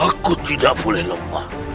aku tidak boleh lemah